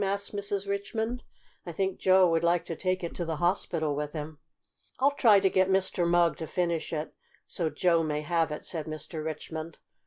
asked Mrs. Richmond. "I think Joe would like to take it to the hospital with him." "I'll try to get Mr. Mugg to finish it so Joe may have it," said Mr. Richmond.